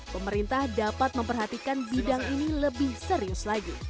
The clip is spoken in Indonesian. pemerintah dapat memperhatikan bidang ini lebih serius lagi